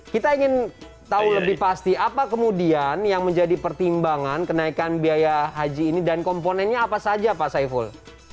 kita ingin tahu lebih pasti apa kemudian yang menjadi pertimbangan kenaikan biaya haji ini dan komponennya apa saja pak saiful